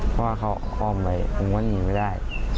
เพราะว่าเขาอ้อมไว้ผมก็หนีไม่ได้